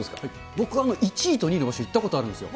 僕は１位と２位の場所、行ったことあるんですよ。